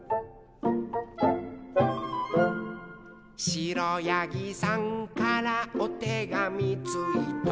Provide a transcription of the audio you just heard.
「しろやぎさんからおてがみついた」